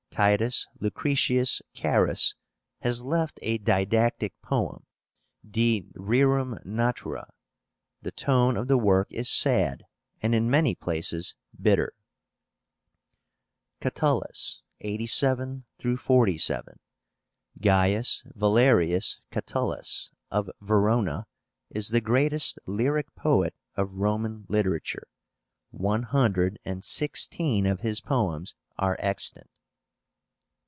TITUS LUCRETIUS CARUS has left a didactic poem, De Rerum Natura. The tone of the work is sad, and in many places bitter. CATULLUS (87 47). GAIUS VALERIUS CATULLUS, of Veróna, is the greatest lyric poet of Roman literature. One hundred and sixteen of his poems are extant.